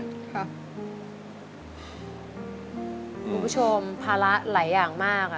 คุณผู้ชมภาระหลายอย่างมากค่ะ